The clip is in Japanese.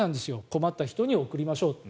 困った人に送りましょうと。